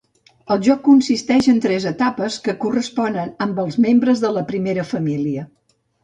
El joc consisteix en tres etapes que corresponen amb els membres de la Primera Família.